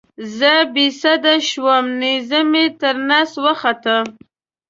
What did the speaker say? زه بې سده شوم نیزه مې تر نس وخوته.